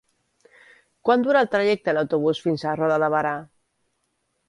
Quant dura el trajecte en autobús fins a Roda de Berà?